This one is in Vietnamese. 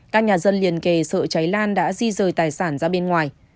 các nhà dân liền kề sợ cháy lan đã di rời tài sản ra bên ngoài